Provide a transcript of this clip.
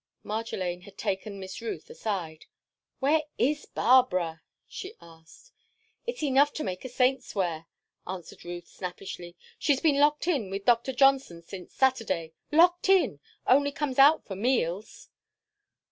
Marjolaine had taken Miss Ruth aside. "Where is Barbara?" she asked. "It's enough to make a saint swear," answered Ruth, snappishly. "She's been locked in with Doctor Johnson since Saturday. Locked in! Only comes out for meals."